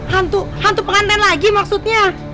hantu hantu pengandan lagi maksudnya